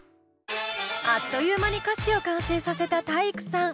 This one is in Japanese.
あっという間に歌詞を完成させた体育さん。